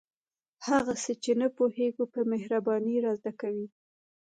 هغه څه چې نه پوهیږو په مهربانۍ را زده کوي.